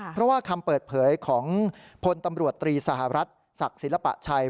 เพราะว่าคำเปิดเผยของพลตำรวจตรีสหรัฐศักดิ์ศิลปะชัย